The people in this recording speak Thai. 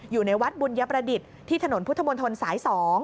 อยู่ในวัดบุญยประดิษฐ์ที่ถนนพุทธมนตรสาย๒